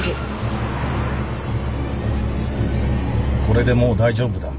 これでもう大丈夫だ